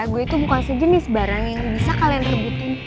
gue itu bukan sejenis barang yang bisa kalian rebutin